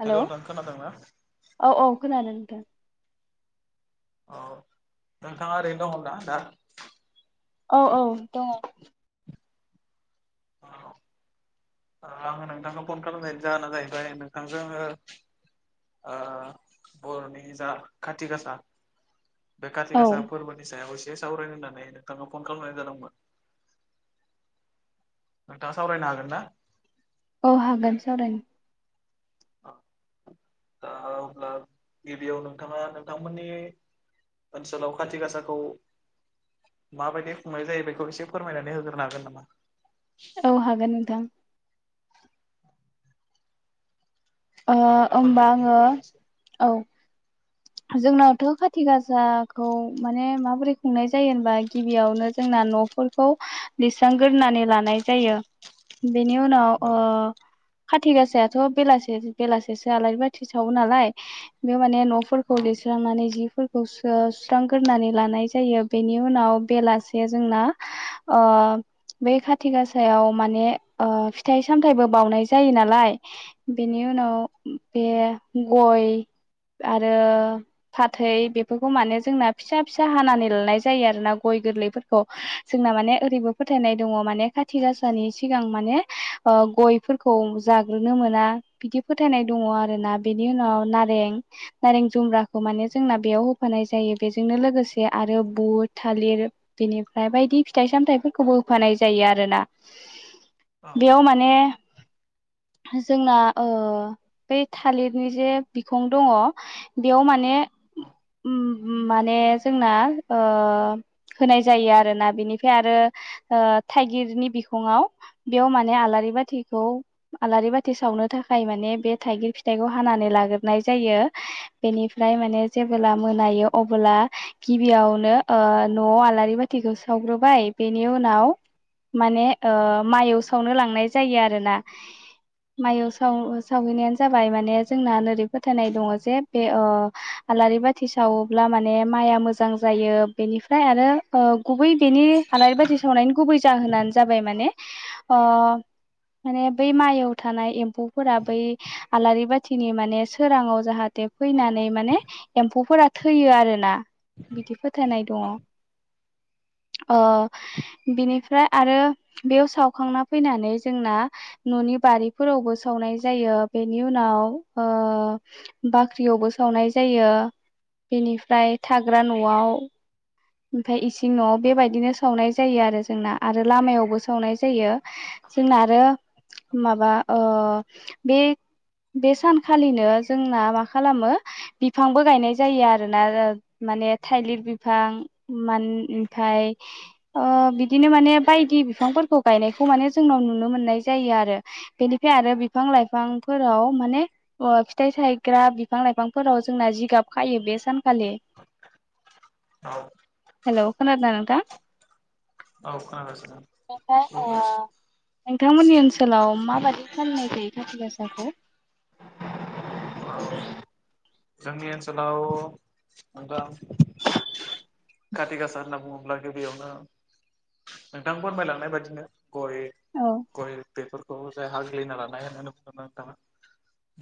Hello hello नोंथां खोनादों ना? औ औ खोनादों नोंथां। औ नोंथाङा ओरैनो दंना दा? औ औ दङ। [inaudible] आङो नोंथांखौ फन खालामनायनि जाहोनानो जाहैबाय नोंथांजों ओ ओ बर'नि जा खाथि गासा बे कथि औ गासा फोरबोनि सायाव एसे सावरायनो होन्नानै नोंथांखौ फन खालामनाय जादोंमोन। नोंथाङा सावरायनो हागोन ना औ हागोन सावरायनो दा अब्ला गिबियाव नोंथाङा नोंथांमोननि ओनसोलाव खाथि गासाखौ माबायदि खुंनाय जायो बेखौ एसे फोरमायनानै होगोरनो हागोन नामा? औ हागोन नोंथां। ओ अब्ला ओमबा फोरमायनानै आङो होग्रोलाय एसे औ। [inaudible] जोंनावथ' खाथि गासाखौ माने माबोरै खुंनाय जायो होनबा गिबियावनो जोंना न'फोर खौ लसांग्रोनानै लानाय जायो। बेनि उनाव ओ औ खाथि गासायाथ' बेलासि बेलासेसो आलारि बाथि सावो नालाय बेयाव माने औ न'फोरखौ लिरस्रांनानै जि खौसो सुस्रांग्रोनानै लानाय जायो बेनि उनाव बेलासे जोंना अ बे खाथि गासायाव माने ओ फिथाइ सामथायाइबो बाउनाय जायो नालाय बे बेनि उनाव बे गय आरो फाथै बेफोरखौ माने जोंना फिसा फिसा हानानै लानाय जायो आरोना गय गोरलैफोरखौ जोंना माने ओरैबो फोथायनाय दङ माने खाथि गाासानि सिगां माने ओ गयफोरखौ जाग्रोनो मोना बिदि फोथायनाय दङ आरोना बेनि उनाव नारें नारें जुमब्राखौ माने जोंना बेयाव होफानाय जायो बेजोंनो लोगोसे आरो बु थालिर बिनिफ्राय बायदि फिथाइ सामथायाइफोरखौबो होफानाय जायो आरोना [inaudible] बेयाव माने जोंना ओ बै थालिरनि जे बिखं दङ बेयाव माने औ उम माने जोंना ओ होनाय जायो आरोना बिनिफ्राय आरो ओ थाइगिरनि बिखङाव बेयाव माने आलारि बाथिखौ आलारि बाथि सावनो थाखाय माने बे थाइगिर फिथाइखौ हानानै लाग्रोनाय जायो। बेनिफ्राय माने जेबोला मोनायो अबोला गिबियावनो ओ न'आव आलारि बाथिखौ सावग्रोबाय बेनि उनाव माने ओ माइवु सावनो लांनाय जायो आरोना माइवुस साव सावहैनायानो जाबाय माने जोंना ओरै फोथायनाय दङ जे बे आलारि बाथि सावोब्ला माने माइआ मोजां जायो बेनिफ्राय आरो गुबै बेनि आलारि बाथि सावनायनि गुबै जाहोनानो जाबाय माने ओ माने बै माइयाव थानाय एम्फौ फोरा बै आलारि बाथिनि माने सोराङाव जाहाथे फैनानै माने एम्फौफोरा थैयो आरोना बिदि फोथायनाय दङ ओ बिनिफ्राय आरो बेयाव सावखांना फैनानै जोंना न'नि बारिफोरावबो सावनाय जायो बेनि उनाव ओ बाख्रियावबो सावनाय जायो। बेनिफ्राय थाग्रा न'आव ओमफाय इसिं न'आव बेबायदिनो सावनाय जायो आरो जोंना आरो लामायावबो सावनाय जायो। जोंना आरो माबा ओ बे बे सानखालिनो जोंना मा खालामो बिफांबो गायनाय जायो आरोना माने थाइलिर बिफां मान थाय ओ बिदिनो माने बायदि बिफांफोरखौ गायनायखौ माने जोंनाव नुनो मोननाय जायो आरो बेनिफ्राय आरो बिफां लाइफांफोराव माने अ फिथाइ सायग्रा बिफां लाइफांफोराव जोंना जिगाब खायो बे सानखालि औ हेल' खोनादों नोंथां? औ खोनागासिनो ओमफ्राय ओ [unintelligible] नोंथांमोननि ओनसोलाव माबायदि फालिनाय जायो खााथि गासाखौ? औ जोंनि ओनसोलाव नोंथां कति गासार होनना बुङोब्ला गिबियावनो नोंथां फोरमायलांनाय बाददिनो गय औ गय बेफोर जाय हाग्ललिना लानाय होननानै बुंङो नोंथां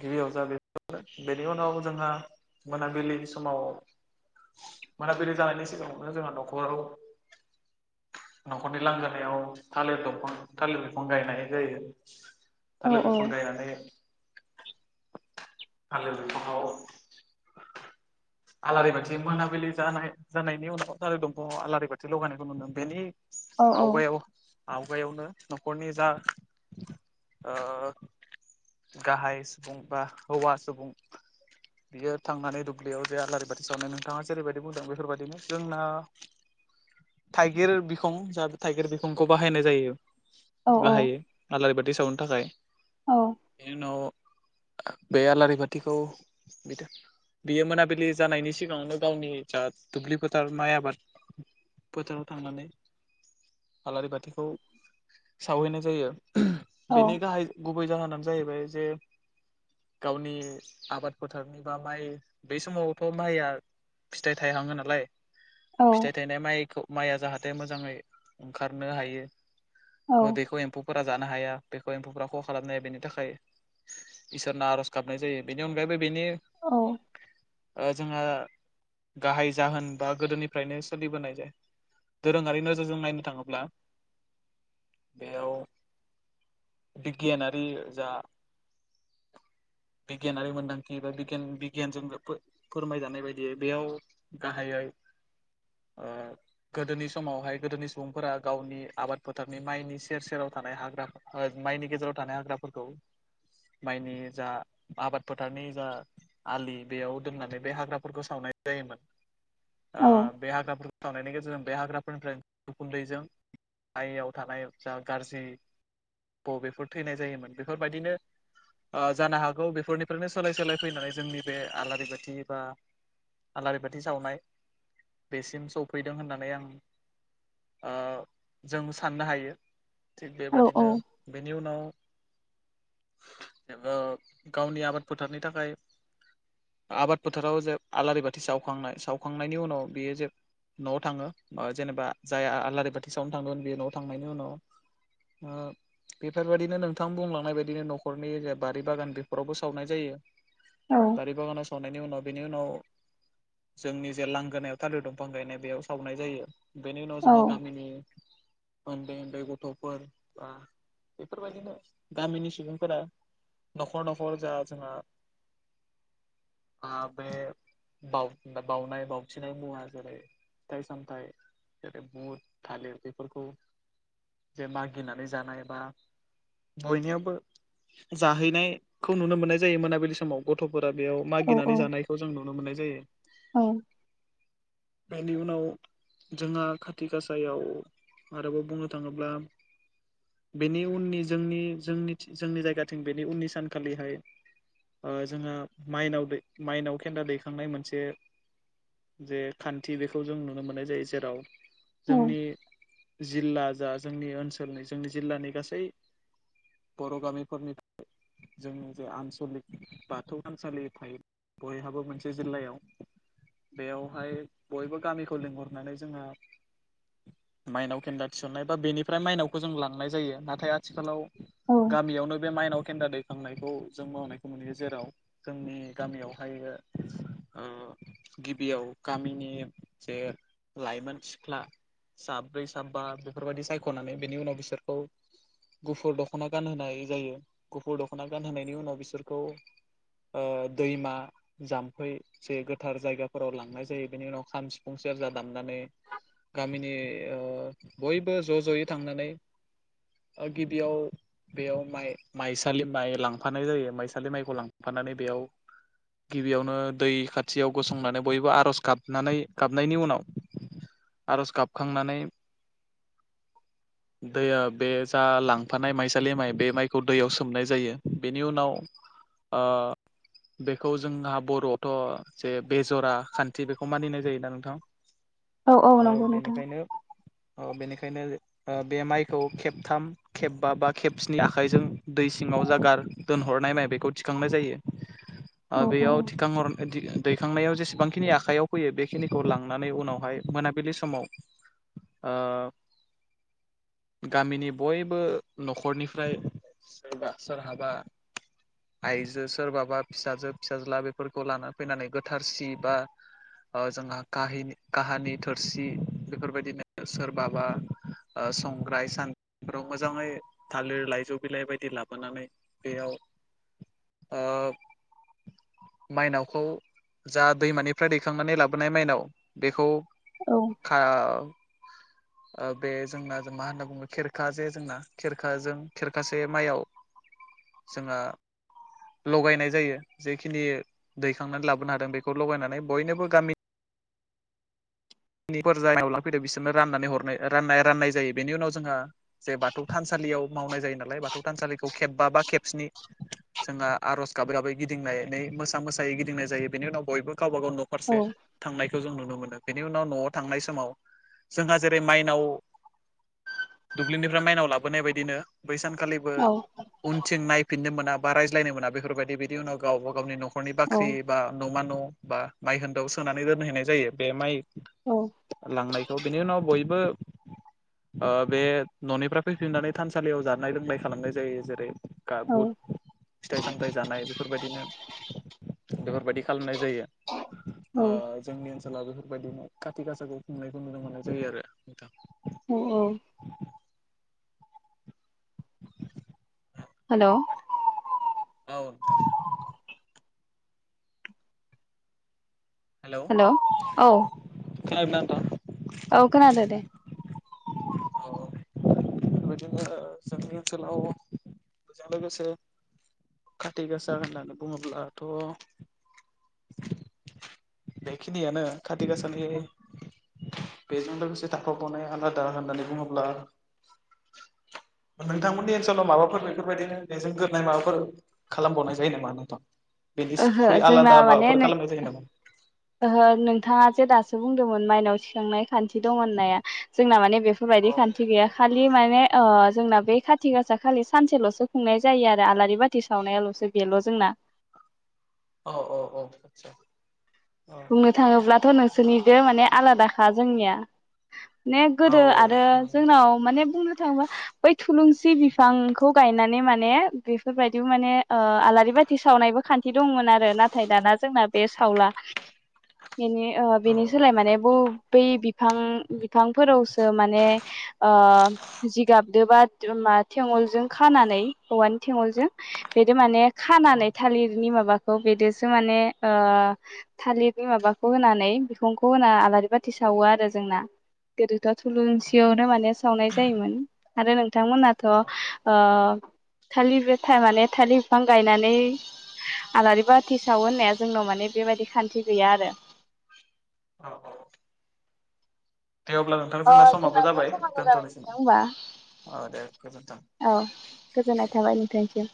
गिबियाव जोहा बे बेनि उनाव जोंहा मोनाबिलि समाव मोनाबिलि जानायनि सिगाङावनो जोंहा न'खराव न'खरनि लांगोनायाव थालिर दंफां थालिर बिफां गायनाय जायो। औ थार लोगोखौ नायनानै थालेर बिफांआव आलारि बाथि मोनाबिलि जानाय-जानायनि उनाव थालिर दंफांआव आलारि बाथि लगानायखौ नुदों बेनि औ आवगायाव आवगायावनो न'खरनि जा ओ गाहाय सुबुं बा हौवा सुबुं बियो थांनानै दुब्लियाव बे आलारि बाथि सावनाय नोंथाङा जेरैबायदि बुंदों बेफोरबायदिनो जोंना थाइगिर बिखां जोंहा थाइगिर बिखंखौ बाहायनाय जायो। औ बाहायो आलारि बाथि सावनो थाखाय औ बेनि उनाव अ बे आलारि बाथिखौ बियो मानेब बिलि जानायनि सिगाङांनो गावनि जा दुब्लि फोथार माइ आबाद फोथाराव थांनानै आलारि बाथिखौ सावहैनाय जायो औ बेनि गाहाय गुबै जाहोनानो जाहैबाय जे गावनि आबाद फोथारनि बा माइ बै समावथ' माइया फिथाइ थायहाङो नालाय औ फिथाइ थायनाय माइखौ माइया जाहाथे मोजाङै ओंखारनो हायो औ मोदैखौ एम्फौ फोरा जानो हाया बेखौ एम्फौफ खहा खालामनो हाया बेनि थाखाय इसोरना आर'ज गाबनाय जायो बेनि अनगायैबो बेनि औ ओ जोंहा गाहाय जाहोन बा गोदोनिफ्रायनो सोलिबोनाय जा दोरोङारि नोजोरजों नायनो थाङोब्ला बेयाव बिगियानारि जा बिगियानारि मोन्दांथि एबा बिगियान बि गियानजों फो-फोरमायजानाय बायदियै बेयाव गाहायै ओ गोदोनि समावहाय गोदोनि सुबुंफोरा गावनि आबाद फोथारनि माइनि सेर सेराव थानाय हाग्राफोर ओ माइनि गेजेराव थानाय हाग्राफोरखौ माइनि जा आबाद फोथारनि जा आलि बेयाव दोननानै बे हाग्राफोरखौ सावनाय जायोमोन ओ औ बे हाग्राफोर सावनायनि गेजेरजों बे हाग्राफोरनिफ्राय उखुन्दैजों आयायाव थानाय जा गाज्रि बबेफोर थैनाय जायोमोन बेफोरबायदिनो ओ जानो हागौ बेफोरनिफ्रायनो सोलाय सोलाय फैनानै जोंनि बे आलारि बाथि बा आलारि बाथि सावनाय बेसिम सफैदों होननानै आं ओ जों साननो हायो थिग औ बेबादिनो बेनि उनाव ओ गावनि आबाद फोथारनि थाखाय आबाद फोथाराव जे आलारि बाथि सावखांनाय सावखांनायनि उनाव बियो जे न'आव थाङो मो जेनेबा जाया आलारि बाथि सावनो थांगदोंमोन बेयो न'आव थांनायनि उनाव हो बेफोरबायदिनो नोंथां बुंलांनाय बायदिनो न'खरनि जा बारि बागान बेफोरावबो सावनाय जायो। [unintelligible] औ बागानाव संनायनि उनाव बेनि उनाव जोंनि जे लांगोनायाव थालिर दंफां गायनाय बेयाव सावनाय जायो। बेनि उनाव जोंहा गामिनि उन्दै उन्दै गथ'फोर बा बेफोरबायदिनो गामिनि सुबुंफोरा न'खर न'खर जा जोंहा आ बे बाव-बावनाय बाउथिनाय मुवा जेरै फिथाइ सामथाइ जेरै बुट, थालिर बेफोरखौ जे मागिनानै जानाय बा बयनियावबो जाहैनायखौ नुनो मोननाय जायो। मोनाबिलि समाव गथ'फोरा बेयाव मागिनानै औ जानायखौ जों नुनो मोननाय जायो। बेनि उनाव जोंहा खाथि गासायाव आरोबाव बुंनो थाङोब्ला बेनि उननि जोंनि जोंनि जायगाथिं बेनि उननि सानखालिहाय जोंहा माइनाव खेन्दा दैखांनाय मोनसे जे खान्थि बेखौ जों नुनो मोननाय जायो। जेराव जोंनि जिल्ला जा जोंनि ओनसोलनि जोंनि जिल्लानि गासै बर' गामिफोरनिफ्राय जोंनि जे आनसलिक बाथौ थानसालि थायो। बयहाबो मोनसे जिल्लायाव बेयावहाय बयबो गामिखौ लिंहरनानै जोंहा माइनाव खेन्दा थिसननाय बा बेनिफ्राय माइनावखौ जों लांनाय जायो। नाथाय आथिखालाव औ गामियावनो बे माइनाव खेन्दा दैखांनायखौ जों मावनायखौ नुयो। जेराव जोंनि गामियावहाय ओ गिबियाव गामिनि जे लाइमोन सिख्ला साब्रै साबा बेफोरबायदि सायख'नानै बेनि उनाव बिसोरखौ गुफुर दख'ना गानहोनाय जायो। गुफुर दख'ना गानहोनायनि उनाव बिसोरखौ। दैमा जाम्फै जे गोथार जायगाफोराव लांनाय जायो। बेनि उनाव खाम सिफुं सेरजा दामनानै गामिनि बयबो ज' ज'यै थांनानै गिबियाव बेयाव माइ माइसालि माइ लांफानाय जायो। बे माइखौ लांफानानै बेयाव गिबियावनो दै खाथियाव गसंनानै बयबो आर'ज गाबनानै गाबनायनि उनाव आर'ज गाबखांनानै दैया बे जा लांफानाय माइसालि माइ बे माइखौ दैयाव सोमनाय जायो। बेनि उनाव बेखौ जोंहा बर'आवथ' जे बेजरा खान्थि बेखौ मानिनाय जायोना नोंथां। औ औ नंगौ नोंथां। अ' बेनिखायनो बे माइखौ खेबथाम खेबबा बा खेबस्नि आखाइजों दै सिङाव जागार दोनहरनाय माइ बेखौ थिखांनाय जायो। औ औ बेयाव थिखांहर दैखांनायाव जेसेबांखिनि आखयाव फैयो बेखिनिखौ लांनानै उनावहाय मोनाबिलि समाव ओ गामिनि बयबो न'खरनिफ्राय सोरबा सोरहाबा आइजो सोरबाबा फिसाजो फिसाज्ला बेफोरखौ लाना फैनानै गोथार सि बा जोंहा काहिनि काहानि थोरसि बेफोरबायदिनो सोरबाबा संग्राय सानद्रिफोराव मोजाङै थालिर लाइजौ बिलाइ बायदि लाबोनानै बेयाव ओ माइनावखौ जा दैमानिफ्राय दैखांनानै लाबोनाय माइनाव बेखौ औ खाव बे जोंना मा होनना बुङो खेरखा जे जोंना खेरखाजों खेरखासे माइयाव जोंहा लगायनाय जायो। जेखिनि दैखांनानै लाबोनो हादों बेखौ लगायनानै बयनोबो गामि निफोर जायनावला लाफैदो बिसोरनो राननानै हरनाय रनाय राननाय जायो बेनि उनाव जोंहा। जे बाथौ थानसालियाव मावनाय जायो नालाय बाथौ थानसालिखौ खेबबा बा खेबस्नि जोंहा आर'ज गाबै गाबै गिदिंनाय नै मोसा मोसायै गिदिंनाय जायो। बेनि उनाव बयबो गावबा गाव न'खर औ फारसे थांनायखौ जों नुनो मोनो। बेनि उनाव न'आव थांनाय समाव जोंहा जेरै माइनाव दुब्लिनिफ्राय माइनाव लाबोनाय बायदिनो बै सानखालि बो औ उनथिं नायफिननो मोना बा रायज्लायनो मोना बेफोरबायदि बिदि उनाव गावब गावनि न'ख न'खरनि औ बाख्रि बा न'मा न' बा माइ होनदोआव सोनानै दोनहैनाय जायो बे माइ। औ लांनायखौ बेनि उनाव बयबो ओ बे न'निफ्राय फैफिननानै थानसालियाव जानाय लोंनाय खालामनाय जायो जेरै औ गाबुद फिथाइ सामथाइ जानाय बेफोरबायदिनो बेफोरबायदि खालामनाय जायो औ ओ जोंनि ओनसोलाव बेफोरबायदिनो खाथि गासाखौ खुंनायखौ नुनो मोननाय जायो आरो नोंथां [unintelligible] हेल' औ नोंथां। हेलौ हेल' औ [unintelligible] औ खोनादों दे औ औ बेबायदिनो जोंनि ओनसोलाव बेजों लोगोसे खाथि गोसा होननानै बुङोब्लाथ' बेखिनियानो खाथि गासानि। बेजों लोगोसे थाखाबावनाया आलादा होननानै बुङोब्ला नोंथांमोननि ओनसोलाव माबाफोर बेफोरबायदिनो बेजोंगोरोननाय माबाफोर खालामबावनाय जायो नामा नोंथां ओहो बेनिख्रुयइ जोंना आलादा माने माबाफोर नों खालामनाय जायो नामा ओहो नोंथाङा जे दासो बुंदोंमोन माइनाव थिखांनाय खान्थि दं होननाया जोंना माने औ बेफोरबायदि खान्थि गैया खालि माने जोंना बे खाथि गासा खालि सानसेल'सो खुंनाय जायो आरो आलारि बाथि खुथि सावनायाल'सो बेल' जोंना औ औ औ आसा बुंनो थाङोब्लाथ' नोंसोरनिदो माने आलादाखा जोंनिया। मे औ गोदो आरो जोंनाव माने बुंनो थाङोबा बै थुलुंसि बिफांखौ गायनानै माने बेफोरबायदि माने औ आलारि बाथि। खुथि सावनायबो खान्थि दंमोन आरो नाथाय दाना जोंना बे सावला बेनि ओ बेनि सोलाय माने ब बै बिफां बिफांफोरावसो माने ओ जिगाबदो बा थेंहल। बेजों खानानै औवानि थेगलजों बेद माने खानानै थालिरनि माबा [unintelligible] माने ओ थालिरनि माबाखौ होनानै बिखंखौ होना आलारि बाथि सावो आरो जोंना। गोदोथ' थुलुनसियावनो माने सावनाय जायोमोन। आरो नोंथांमोनाथ' ओ थालिर बेथाइ माने थालिर बिफां गायनानै। आलारि बाथि सावो होननाया जोंनाव माने बेबायदि खान्थि गैया आरो औ औ दे अब्ला अ नोंथांजोंना समाबो जोंनाथ' जाबाय समाबो जाबाय दोनथ'निसिम नोंथां होमबा औ दे गोजोन्थों। औ गोजोननाय थाबाय नोंथांनिसिम